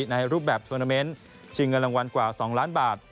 ในรูปแบบทวนาเมนต์ชิงเงินรางวัลกว่า๒ล้านบาท